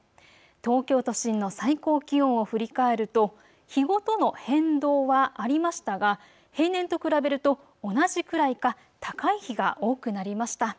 東京都心の最高気温を振り返ると日ごとの変動はありましたが平年と比べると同じくらいか高い日が多くなりました。